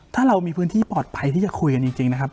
ถ้าเรามีพื้นที่ปลอดภัยที่จะคุยกันจริงนะครับ